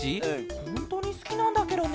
ほんとにすきなんだケロね。